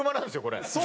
これ。